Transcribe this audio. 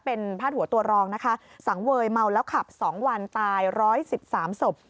เป็นพาดหัวตัวรองนะคะสังเวยเมาแล้วขับ๒วันตาย๑๑๓ศพ